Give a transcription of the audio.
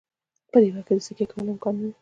په دې وخت کې د سکی کولو امکان نه وي